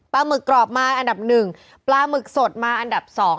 หมึกกรอบมาอันดับหนึ่งปลาหมึกสดมาอันดับ๒